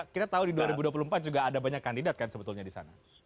kita tahu di dua ribu dua puluh empat juga ada banyak kandidat kan sebetulnya di sana